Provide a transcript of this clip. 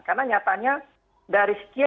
karena nyatanya dari sekian